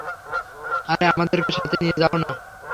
আরে, আমাদেরকেও সাথে নিয়ে যাও না!